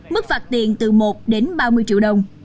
mức phạt tiền từ một đến ba mươi triệu đồng